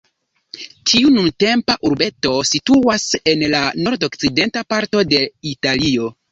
Tiu nuntempa urbeto situas en la nordokcidenta parto de Italio.